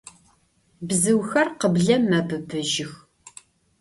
Бзыухэр къыблэм мэбыбыжьых